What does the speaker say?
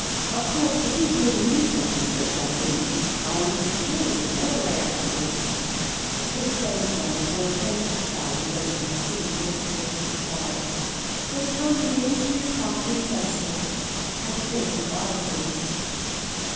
Of course, the people in the newspapers go dying are even killed in railway accidents. This frame of mind will change for Sally when she has seen this patient die. For the time being, she is half insensible can think of other things.